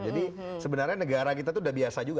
jadi sebenarnya negara kita itu sudah biasa juga